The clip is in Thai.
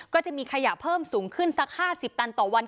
ก็จะมีขยะเพิ่มสูงขึ้นสัก๕๐ตันต่อวัน